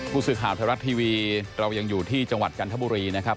ผู้สื่อข่าวไทยรัฐทีวีเรายังอยู่ที่จังหวัดจันทบุรีนะครับ